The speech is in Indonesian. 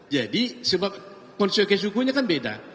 jadi sebab konsekuensi hukumnya kan beda